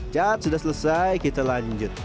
cat sudah selesai kita lanjut